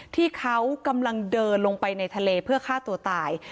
ที่เขากำลังเดินลงไปในทะเลเพื่อฆ่าตัวตาย